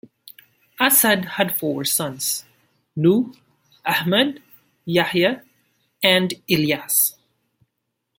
Asad had four sons: Nuh, Ahmad, Yahya, and Ilyas.